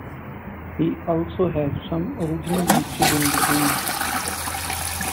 He also has some original mixes in the game.